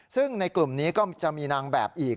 ซึ่งในกลุ่มนี้ก็จะมีนางแบบอีก